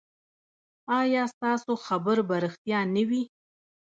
ایا ستاسو خبر به ریښتیا نه وي؟